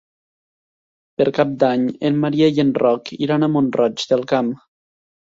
Per Cap d'Any en Maria i en Roc iran a Mont-roig del Camp.